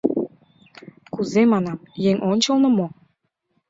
«Кузе, — манам, — еҥ ончылно мо?»